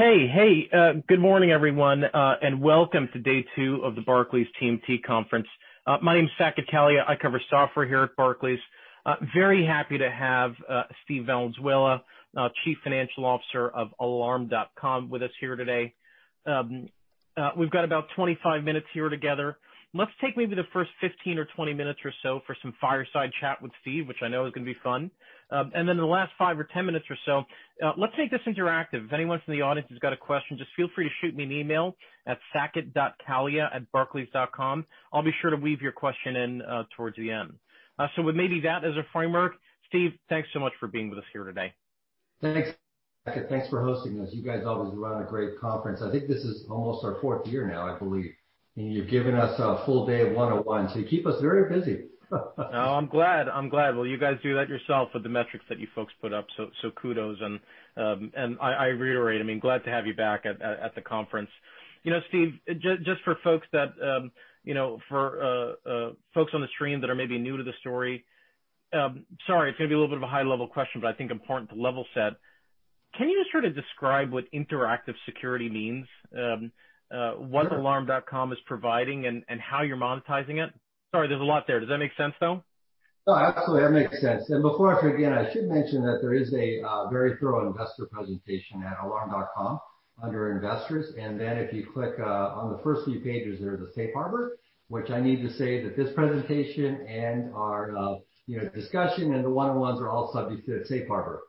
Hey. Good morning, everyone, and welcome to day two of the Barclays TMT Conference. My name is Saket Kalia. I cover software here at Barclays. Very happy to have Steve Valenzuela, Chief Financial Officer of Alarm.com, with us here today. We've got about 25 minutes here together. Let's take maybe the first 15 or 20 minutes or so for some fireside chat with Steve, which I know is going to be fun. Then in the last five or 10 minutes or so, let's make this interactive. If anyone from the audience has got a question, just feel free to shoot me an email at saket.kalia@barclays.com. I'll be sure to weave your question in towards the end. With maybe that as a framework, Steve, thanks so much for being with us here today. Thanks, Saket. Thanks for hosting this. You guys always run a great conference. I think this is almost our fourth year now, I believe. You've given us a full day of 101, so you keep us very busy. I'm glad. You guys do that yourself with the metrics that you folks put up. Kudos, I reiterate, I'm glad to have you back at the conference. Steve, just for folks on the stream that are maybe new to the story, sorry, it's going to be a little bit of a high level question, but I think important to level set. Can you just sort of describe what interactive security means? Sure. What Alarm.com is providing and how you're monetizing it? Sorry, there's a lot there. Does that make sense, though? No, absolutely. That makes sense. Before I forget, I should mention that there is a very thorough investor presentation at Alarm.com under Investors. If you click on the first few pages, there's a safe harbor, which I need to say that this presentation and our discussion and the 101s are all subject to the safe harbor.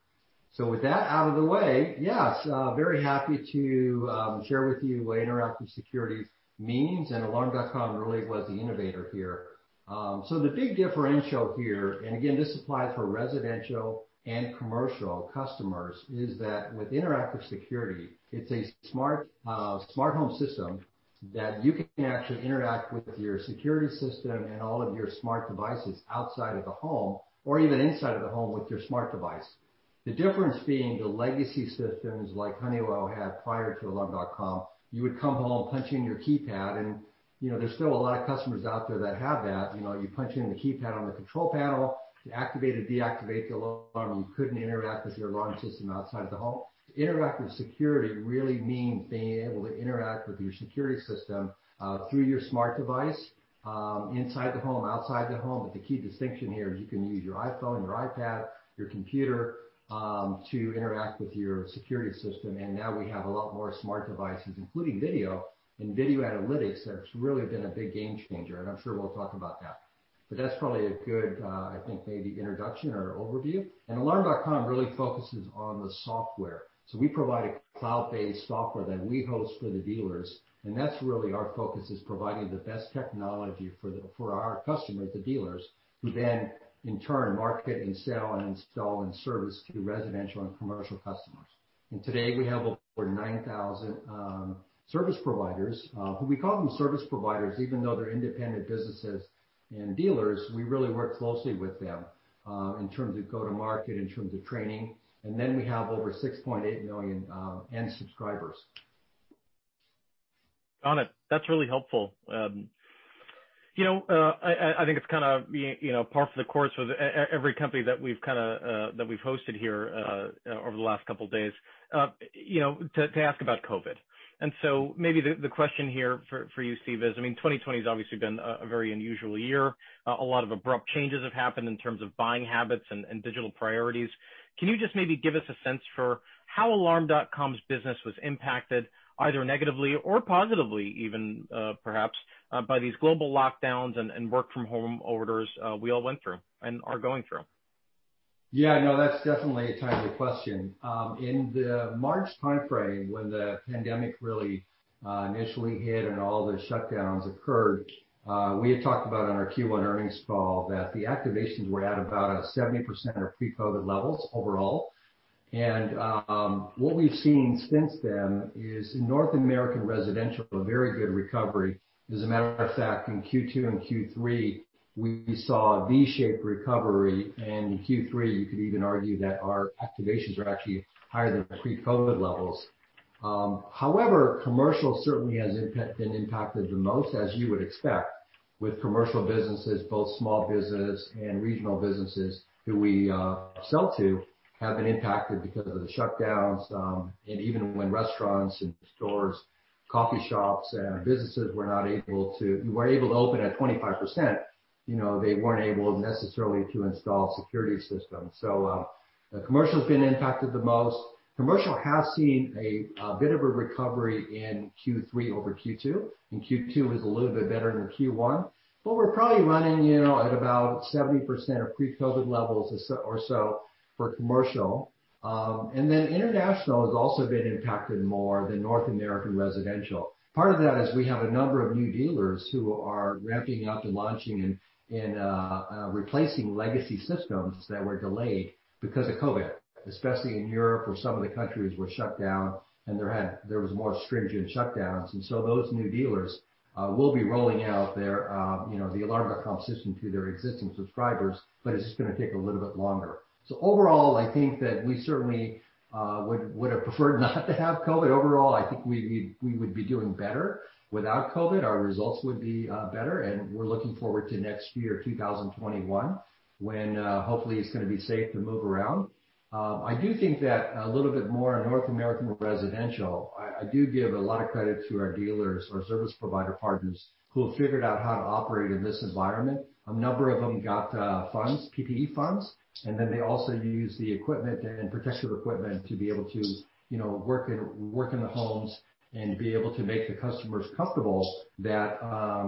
With that out of the way, yes, very happy to share with you what interactive security means, and Alarm.com really was the innovator here. The big differential here, and again, this applies for residential and commercial customers, is that with interactive security, it's a smart home system that you can actually interact with your security system and all of your smart devices outside of the home or even inside of the home with your smart device. The difference being the legacy systems like Honeywell had prior to Alarm.com, you would come home, punch in your keypad, and there's still a lot of customers out there that have that. You punch in the keypad on the control panel to activate or deactivate the alarm. You couldn't interact with your alarm system outside the home. Interactive security really means being able to interact with your security system through your smart device, inside the home, outside the home. The key distinction here is you can use your iPhone, your iPad, your computer to interact with your security system. Now we have a lot more smart devices, including video and video analytics. That's really been a big game changer, and I'm sure we'll talk about that. That's probably a good, I think, maybe introduction or overview. Alarm.com really focuses on the software. We provide a cloud-based software that we host for the dealers, and that's really our focus, is providing the best technology for our customers, the dealers, who then in turn market and sell and install and service to residential and commercial customers. Today, we have over 9,000 service providers. We call them service providers even though they're independent businesses and dealers. We really work closely with them, in terms of go-to-market, in terms of training, and then we have over 6.8 million end subscribers. Got it. That's really helpful. I think it's kind of par for the course with every company that we've hosted here over the last couple of days, to ask about COVID. Maybe the question here for you, Steve, is, 2020 has obviously been a very unusual year. A lot of abrupt changes have happened in terms of buying habits and digital priorities. Can you just maybe give us a sense for how Alarm.com's business was impacted, either negatively or positively, even, perhaps, by these global lockdowns and work-from-home orders we all went through and are going through? Yeah. No, that's definitely a timely question. In the March timeframe, when the pandemic really initially hit and all the shutdowns occurred, we had talked about on our Q1 earnings call that the activations were at about a 70% of pre-COVID levels overall. What we've seen since then is North American residential, a very good recovery. As a matter of fact, in Q2 and Q3, we saw a V-shaped recovery, and in Q3, you could even argue that our activations were actually higher than pre-COVID levels. However, commercial certainly has been impacted the most, as you would expect, with commercial businesses, both small business and regional businesses who we sell to, have been impacted because of the shutdowns. Even when restaurants and stores, coffee shops, and businesses were able to open at 25%, they weren't able necessarily to install security systems. Commercial's been impacted the most. Commercial has seen a bit of a recovery in Q3 over Q2, and Q2 was a little bit better than Q1. We're probably running at about 70% of pre-COVID levels or so for commercial. International has also been impacted more than North American residential. Part of that is we have a number of new dealers who are ramping up and launching and replacing legacy systems that were delayed because of COVID, especially in Europe, where some of the countries were shut down, and there was more stringent shutdowns. Those new dealers will be rolling out the Alarm.com system to their existing subscribers, but it's just going to take a little bit longer. Overall, I think that we certainly would have preferred not to have COVID. Overall, I think we would be doing better without COVID. Our results would be better, and we're looking forward to next year, 2021, when hopefully it's going to be safe to move around. I do think that a little bit more North American residential, I do give a lot of credit to our dealers, our service provider partners, who have figured out how to operate in this environment. A number of them got funds, PPP funds, and then they also used the equipment and protective equipment to be able to work in the homes and be able to make the customers comfortable that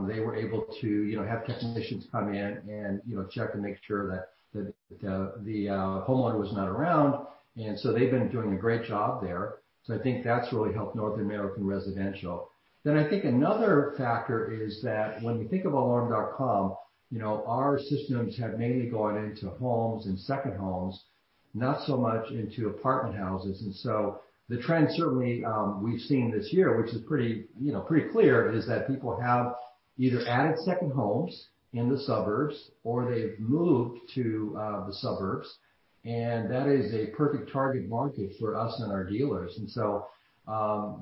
they were able to have technicians come in and check and make sure that the homeowner was not around. They've been doing a great job there. I think that's really helped North American residential. I think another factor is that when we think of Alarm.com, our systems have mainly gone into homes and second homes. Not so much into apartment houses. The trend certainly we've seen this year, which is pretty clear, is that people have either added second homes in the suburbs, or they've moved to the suburbs, and that is a perfect target market for us and our dealers.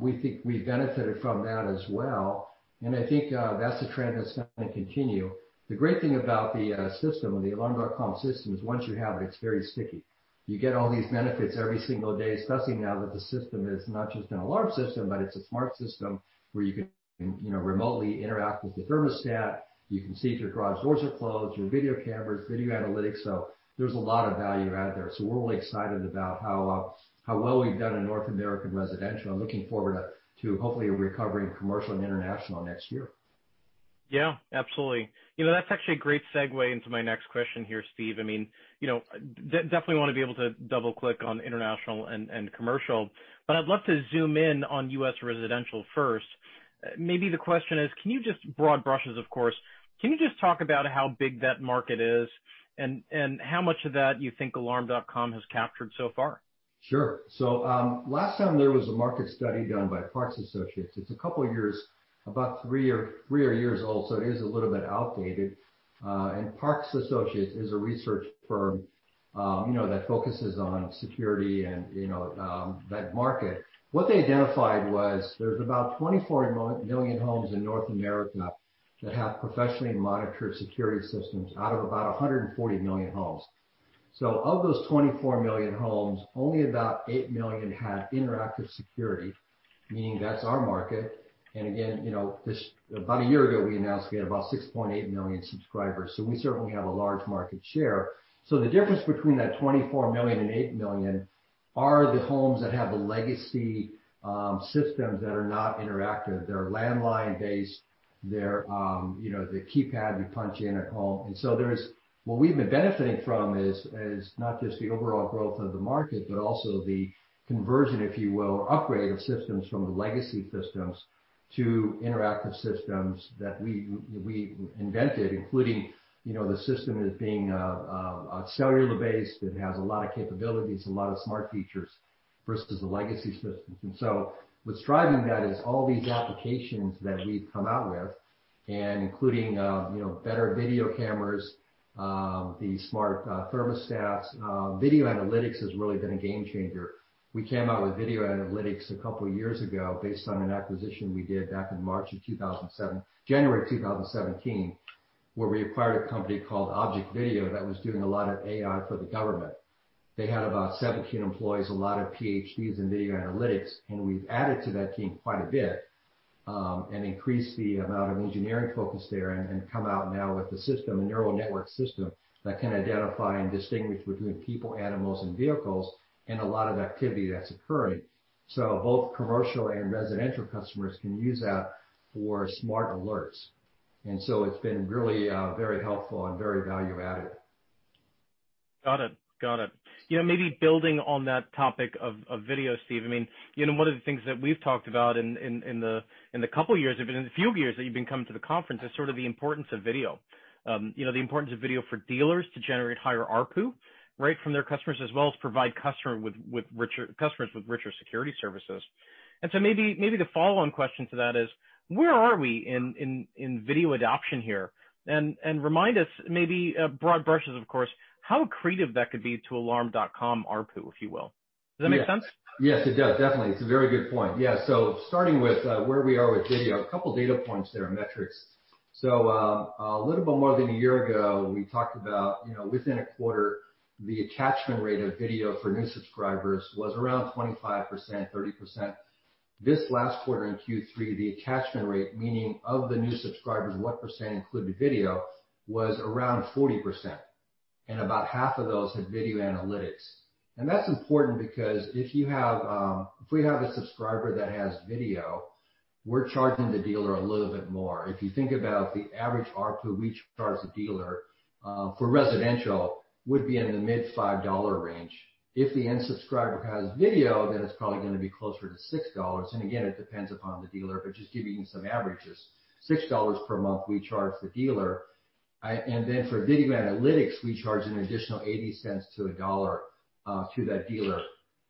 We think we've benefited from that as well, and I think that's the trend that's going to continue. The great thing about the system, the Alarm.com system, is once you have it's very sticky. You get all these benefits every single day, especially now that the system is not just an alarm system, but it's a smart system where you can remotely interact with the thermostat, you can see if your garage doors are closed, your video cameras, video analytics. There's a lot of value add there. We're really excited about how well we've done in North American residential and looking forward to hopefully recovering commercial and international next year. Yeah, absolutely. That's actually a great segue into my next question here, Steve. Definitely want to be able to double-click on international and commercial, but I'd love to zoom in on U.S. residential first. Maybe the question is, can you just, broad brushes, of course, can you just talk about how big that market is and how much of that you think Alarm.com has captured so far? Sure. Last time there was a market study done by Parks Associates, it's a couple of years, about three odd years old, so it is a little bit outdated. Parks Associates is a research firm that focuses on security and that market. What they identified was there's about 24 million homes in North America that have professionally monitored security systems out of about 140 million homes. Of those 24 million homes, only about eight million have interactive security, meaning that's our market. Again, about a year ago, we announced we had about 6.8 million subscribers, so we certainly have a large market share. The difference between that 24 million and eight million are the homes that have the legacy systems that are not interactive. They're landline-based, the keypad you punch in at home. What we've been benefiting from is not just the overall growth of the market, but also the conversion, if you will, or upgrade of systems from the legacy systems to interactive systems that we invented, including the system as being cellular-based. It has a lot of capabilities and a lot of smart features versus the legacy systems. What's driving that is all these applications that we've come out with, including better video cameras, the smart thermostats. Video analytics has really been a game-changer. We came out with video analytics a couple of years ago based on an acquisition we did back in January 2017, where we acquired a company called ObjectVideo that was doing a lot of AI for the government. They had about 17 employees, a lot of PhDs in video analytics, and we've added to that team quite a bit, and increased the amount of engineering focus there, and come out now with a system, a neural network system that can identify and distinguish between people, animals, and vehicles, and a lot of activity that's occurring. Both commercial and residential customers can use that for smart alerts. It's been really very helpful and very value-added. Got it. Maybe building on that topic of video, Steve, one of the things that we've talked about in the few years that you've been coming to the conference is sort of the importance of video. The importance of video for dealers to generate higher ARPU from their customers as well as provide customers with richer security services. Maybe the follow-on question to that is: Where are we in video adoption here? Remind us, maybe broad brushes, of course, how accretive that could be to Alarm.com ARPU, if you will. Does that make sense? Yes, it does. Definitely. It's a very good point. Yeah. Starting with where we are with video, a couple of data points there, and metrics. A little bit more than one year ago, we talked about, within a quarter, the attachment rate of video for new subscribers was around 25%-30%. This last quarter in Q3, the attachment rate, meaning of the new subscribers, what percent included video, was around 40%, and about half of those had video analytics. That's important because if we have a subscriber that has video, we're charging the dealer a little bit more. If you think about the average ARPU, we charge the dealer for residential would be in the mid $5 range. If the end subscriber has video, then it's probably going to be closer to $6. Again, it depends upon the dealer, but just giving you some averages. $6 per month, we charge the dealer. For video analytics, we charge an additional $0.80-$1 to that dealer.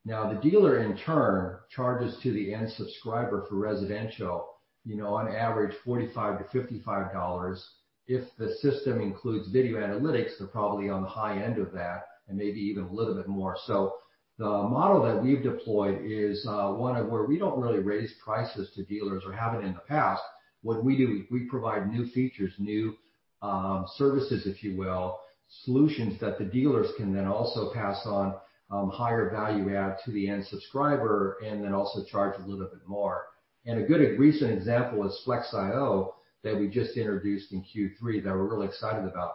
The dealer, in turn, charges to the end subscriber for residential, on average, $45-$55. If the system includes video analytics, they're probably on the high end of that and maybe even a little bit more. The model that we've deployed is one where we don't really raise prices to dealers or haven't in the past. What we do we provide new features, new services, if you will, solutions that the dealers can then also pass on higher value, add to the end subscriber and then also charge a little bit more. A good recent example is Flex IO that we just introduced in Q3 that we're really excited about.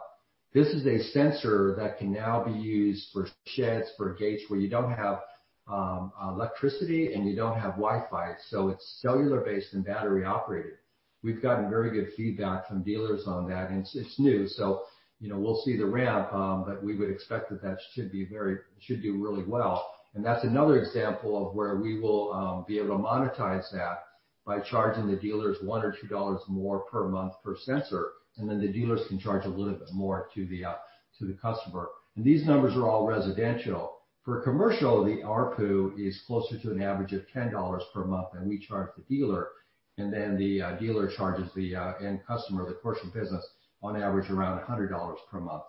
This is a sensor that can now be used for sheds, for gates where you don't have electricity and you don't have Wi-Fi. It's cellular-based and battery-operated. We've gotten very good feedback from dealers on that, and it's new, so we'll see the ramp, but we would expect that should do really well. That's another example of where we will be able to monetize that by charging the dealers $1 or $2 more per month per sensor, and then the dealers can charge a little bit more to the customer. These numbers are all residential. For commercial, the ARPU is closer to an average of $10 per month that we charge the dealer, and then the dealer charges the end customer, the commercial business, on average around $100 per month.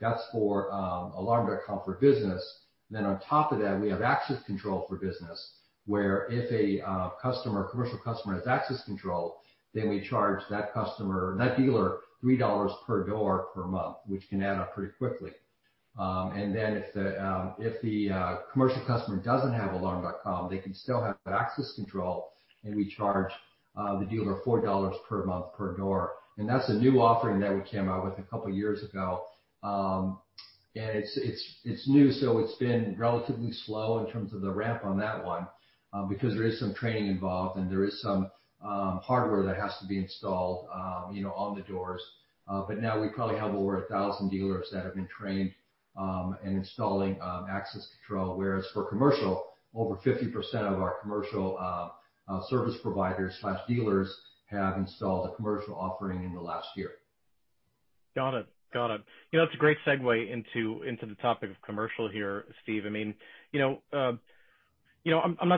That's for Alarm.com for business. On top of that, we have access control for business, where if a commercial customer has access control, we charge that dealer $3 per door per month, which can add up pretty quickly. If the commercial customer doesn't have Alarm.com, they can still have access control, and we charge the dealer $4 per month per door. That's a new offering that we came out with a couple of years ago. It's new, so it's been relatively slow in terms of the ramp on that one, because there is some training involved, and there is some hardware that has to be installed on the doors. Now we probably have over 1,000 dealers that have been trained and installing access control. Whereas for commercial, over 50% of our commercial service providers/dealers have installed the commercial offering in the last year. Got it. That's a great segue into the topic of commercial here, Steve. I'm not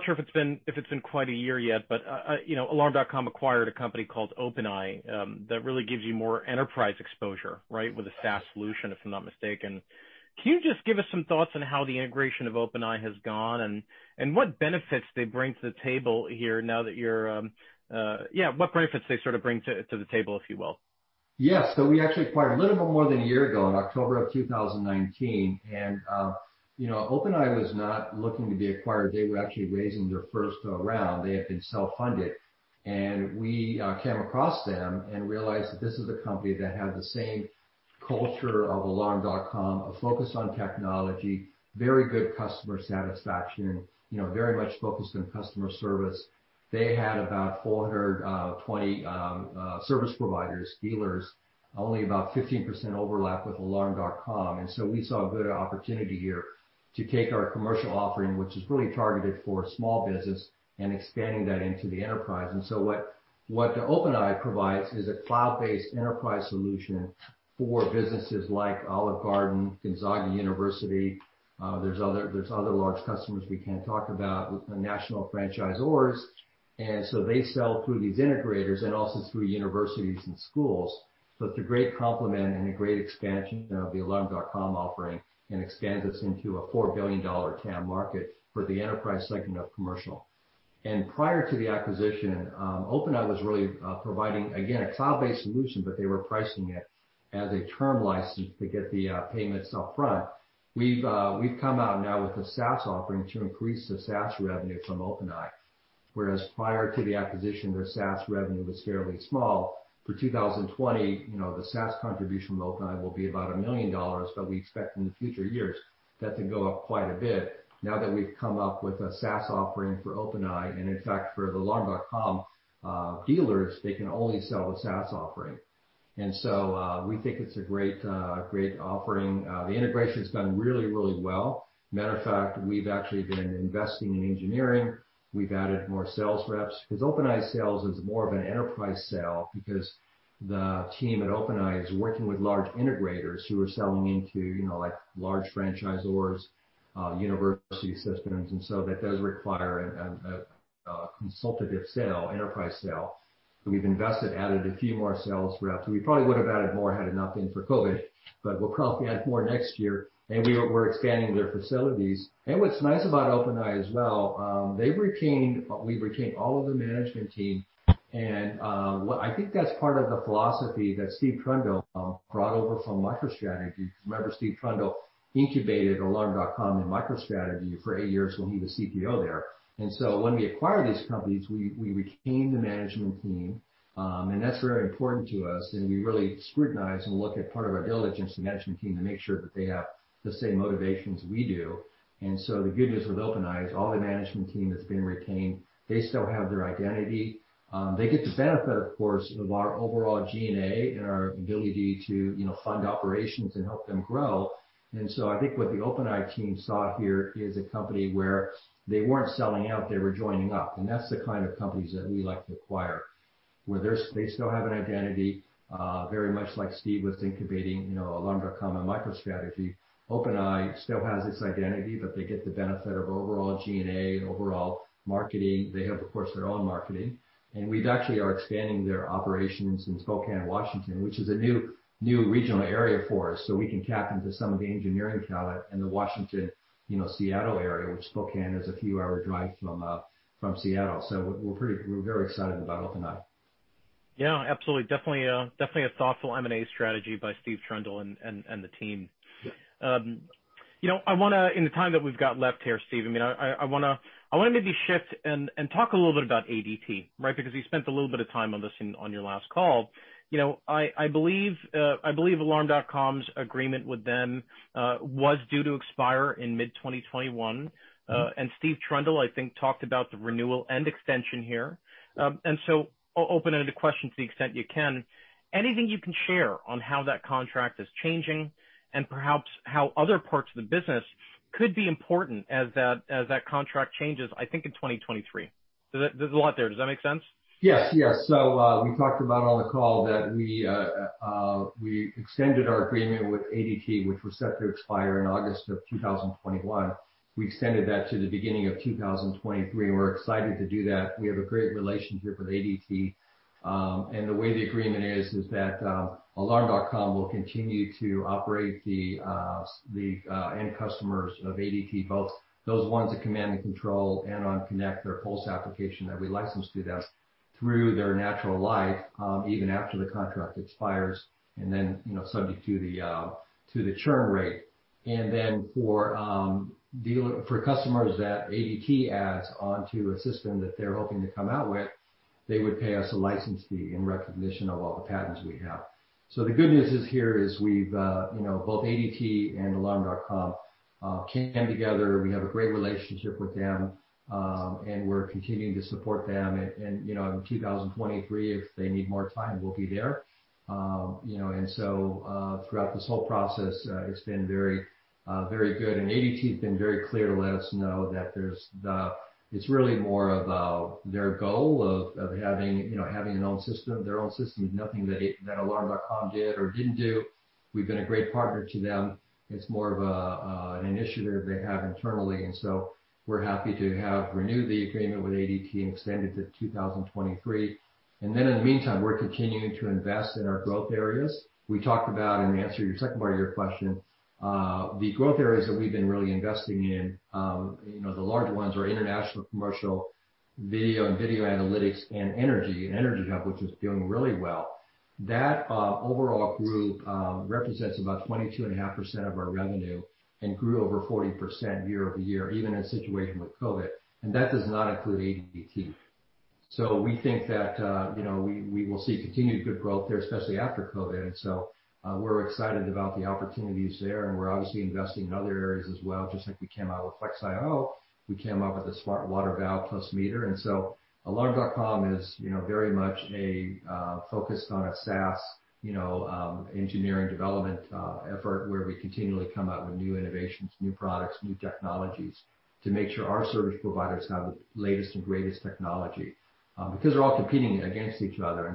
sure if it's been quite a year yet, but Alarm.com acquired a company called OpenEye that really gives you more enterprise exposure, with a SaaS solution, if I'm not mistaken. Can you just give us some thoughts on how the integration of OpenEye has gone and what benefits they bring to the table, if you will? Yes. We actually acquired a little bit more than a year ago, in October of 2019. OpenEye was not looking to be acquired. They were actually raising their first round. They had been self-funded. We came across them and realized that this is a company that had the same culture of Alarm.com, a focus on technology, very good customer satisfaction, very much focused on customer service. They had about 420 service providers, dealers, only about 15% overlap with Alarm.com. We saw a good opportunity here to take our commercial offering, which is really targeted for small business, and expanding that into the enterprise. What OpenEye provides is a cloud-based enterprise solution for businesses like Olive Garden, Gonzaga University. There's other large customers we can't talk about with the national franchisors. They sell through these integrators and also through universities and schools. It's a great complement and a great expansion of the Alarm.com offering, and expands us into a $4 billion TAM market for the enterprise segment of commercial. Prior to the acquisition, OpenEye was really providing, again, a cloud-based solution, but they were pricing it as a term license to get the payments upfront. We've come out now with a SaaS offering to increase the SaaS revenue from OpenEye. Whereas prior to the acquisition, their SaaS revenue was fairly small. For 2020, the SaaS contribution from OpenEye will be about $1 million, but we expect in the future years, that to go up quite a bit now that we've come up with a SaaS offering for OpenEye, and in fact, for the Alarm.com dealers, they can only sell a SaaS offering. We think it's a great offering. The integration's done really well. Matter of fact, we've actually been investing in engineering. We've added more sales reps, because OpenEye sales is more of an enterprise sale because the team at OpenEye is working with large integrators who are selling into large franchisors, university systems. That does require a consultative sale, enterprise sale. We've invested, added a few more sales reps. We probably would have added more had it not been for COVID. We'll probably add more next year, and we're expanding their facilities. What's nice about OpenEye as well, we've retained all of the management team, and I think that's part of the philosophy that Steve Trundle brought over from MicroStrategy, because remember, Steve Trundle incubated Alarm.com in MicroStrategy for eight years when he was CPO there. When we acquire these companies, we retain the management team, and that's very important to us, and we really scrutinize and look at part of our diligence, the management team, to make sure that they have the same motivations we do. The good news with OpenEye is all the management team has been retained. They still have their identity. They get the benefit, of course, of our overall G&A and our ability to fund operations and help them grow. I think what the OpenEye team saw here is a company where they weren't selling out, they were joining up. That's the kind of companies that we like to acquire, where they still have an identity, very much like Steve was incubating Alarm.com and MicroStrategy. OpenEye still has its identity, but they get the benefit of overall G&A and overall marketing. They have, of course, their own marketing. We actually are expanding their operations in Spokane, Washington, which is a new regional area for us, so we can tap into some of the engineering talent in the Washington, Seattle area, which Spokane is a few-hour drive from Seattle. We're very excited about OpenEye. Yeah, absolutely. Definitely a thoughtful M&A strategy by Steve Trundle and the team. Yeah. I want to, in the time that we've got left here, Steve, I want to maybe shift and talk a little bit about ADT. Because you spent a little bit of time on this on your last call. I believe Alarm.com's agreement with them was due to expire in mid-2021. Steve Trundle, I think, talked about the renewal and extension here. I'll open-ended the question to the extent you can, anything you can share on how that contract is changing, and perhaps how other parts of the business could be important as that contract changes, I think in 2023. There's a lot there. Does that make sense? Yes. We talked about on the call that we extended our agreement with ADT, which was set to expire in August of 2021. We extended that to the beginning of 2023. We're excited to do that. We have a great relationship with ADT. The way the agreement is that Alarm.com will continue to operate the end customers of ADT, both those ones that Command and Control and on Connect, their Pulse application that we licensed to them through their natural life, even after the contract expires, and then subject to the churn rate. For customers that ADT adds onto a system that they're hoping to come out with, they would pay us a license fee in recognition of all the patents we have. The good news is here is both ADT and Alarm.com came together. We have a great relationship with them, and we're continuing to support them. In 2023, if they need more time, we'll be there. Throughout this whole process, it's been very good. ADT's been very clear to let us know that it's really more of their goal of having their own system, nothing that Alarm.com did or didn't do. We've been a great partner to them. It's more of an initiative they have internally. We're happy to have renewed the agreement with ADT and extended to 2023. In the meantime, we're continuing to invest in our growth areas. We talked about, and to answer your second part of your question, the growth areas that we've been really investing in, the large ones are international, commercial, video, and video analytics, and energy. EnergyHub, which is doing really well. That overall group represents about 22.5% of our revenue and grew over 40% year-over-year, even in a situation with COVID. That does not include ADT. We think that we will see continued good growth there, especially after COVID. We're excited about the opportunities there, and we're obviously investing in other areas as well. Just like we came out with Flex IO, we came out with a Smart Water Valve+Meter. Alarm.com is very much a focus on a SaaS engineering development effort, where we continually come out with new innovations, new products, new technologies to make sure our service providers have the latest and greatest technology. Because they're all competing against each other.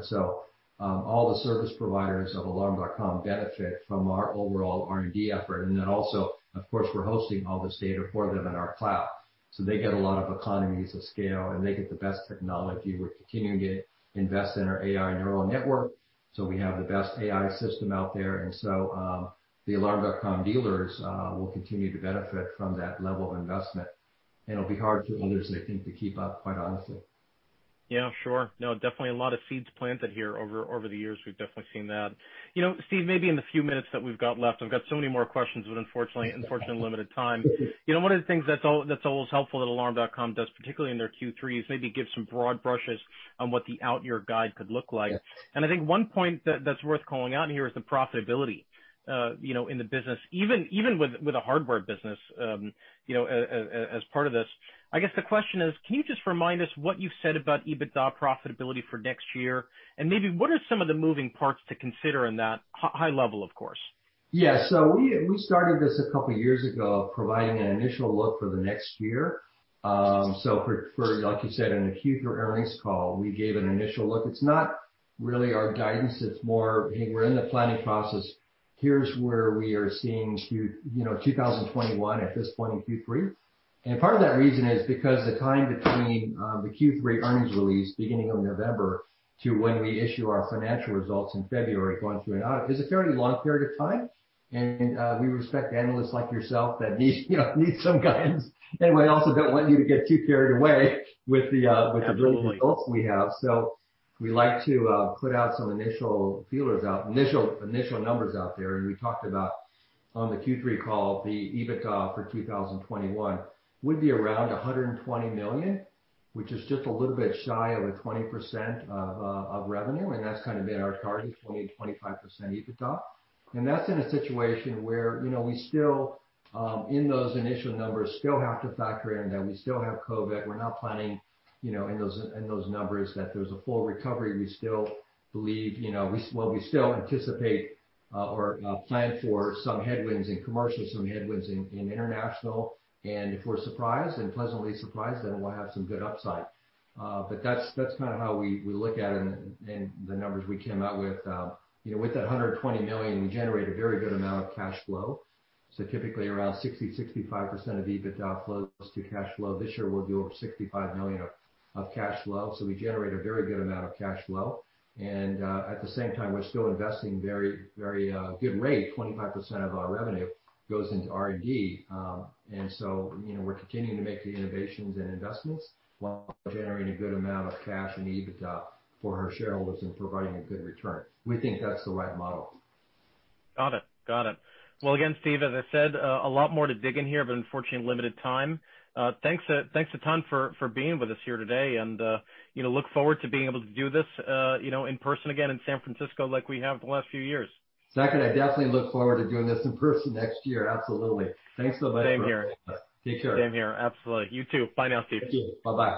All the service providers of Alarm.com benefit from our overall R&D effort. Also, of course, we're hosting all this data for them in our cloud. They get a lot of economies of scale, and they get the best technology. We're continuing to invest in our AI neural network, we have the best AI system out there. The Alarm.com dealers will continue to benefit from that level of investment, and it'll be hard for others, I think, to keep up, quite honestly. Yeah, sure. No, definitely a lot of seeds planted here over the years. We've definitely seen that. Steve, maybe in the few minutes that we've got left, I've got so many more questions, but unfortunately limited time. One of the things that's always helpful that Alarm.com does, particularly in their Q3s, maybe give some broad brushes on what the out-year guide could look like. Yes. I think one point that's worth calling out here is the profitability in the business, even with a hardware business as part of this. I guess the question is, can you just remind us what you said about EBITDA profitability for next year? Maybe what are some of the moving parts to consider in that, high level, of course? Yeah. We started this a couple of years ago, providing an initial look for the next year. For like you said, in a future earnings call, we gave an initial look. It's not really our guidance, it's more, "Hey, we're in the planning process. Here's where we are seeing 2021 at this point in Q3." Part of that reason is because the time between the Q3 earnings release, beginning of November, to when we issue our financial results in February, going through an audit, is a fairly long period of time. We respect analysts like yourself that need some guidance, and we also don't want you to get too carried away with the... Absolutely results we have. We like to put out some initial feelers out, initial numbers out there. We talked about on the Q3 call, the EBITDA for 2021 would be around $120 million, which is just a little bit shy of a 20% of revenue. That's kind of been our target, 20%-25% EBITDA. That's in a situation where we still, in those initial numbers, still have to factor in that we still have COVID. We're not planning in those numbers that there's a full recovery. We still anticipate or plan for some headwinds in commercial, some headwinds in international. If we're surprised and pleasantly surprised, then we'll have some good upside. That's kind of how we look at it and the numbers we came out with. With that $120 million, we generate a very good amount of cash flow. Typically, around 60%-65% of EBITDA flows to cash flow. This year, we'll do over $65 million of cash flow. We generate a very good amount of cash flow. At the same time, we're still investing very good rate, 25% of our revenue goes into R&D. We're continuing to make the innovations and investments while generating a good amount of cash and EBITDA for our shareholders and providing a good return. We think that's the right model. Got it. Well, again, Steve, as I said, a lot more to dig in here, but unfortunately limited time. Thanks a ton for being with us here today. Look forward to being able to do this in person again in San Francisco, like we have the last few years. Saket, I definitely look forward to doing this in person next year. Absolutely. Thanks so much. Same here. Take care. Same here. Absolutely. You too. Bye now, Steve. Thank you. Bye-bye.